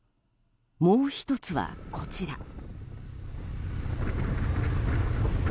もう１つは、こちら。